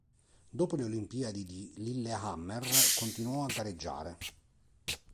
Dopo le olimpiadi di Lillehammer, continuò a gareggiare.